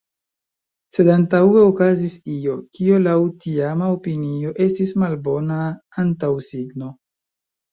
Sed antaŭe okazis io, kio, laŭ tiama opinio, estis malbona antaŭsigno.